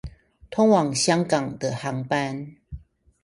通往香港的航班